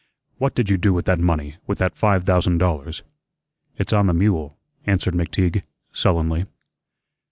"What did you do with that money, with that five thousand dollars?" "It's on the mule," answered McTeague, sullenly.